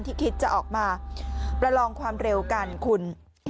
คิดจะออกมาประลองความเร็วกันคุณ